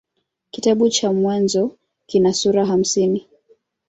Kitabu cha Mwanzo kina sura hamsini.